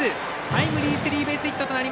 タイムリースリーベースヒット。